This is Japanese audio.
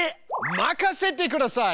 任せてください！